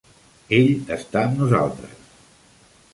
Ell està amb nosaltres.